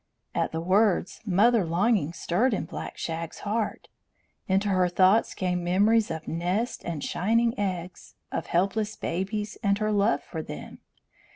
At the words mother longings stirred in Black Shag's heart. Into her thoughts came memories of nest and shining eggs, of helpless babies, and her love for them.